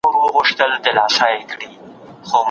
موږ د خپل کلتور د ساتلو لپاره مبارزه کوو.